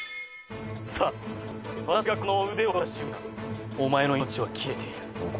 さあ私がこの腕を振り下ろした瞬間お前の命は消えている。